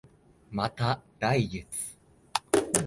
また来月